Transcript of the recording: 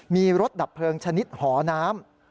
มีรถดับเพลิงชนิดหอน้ำ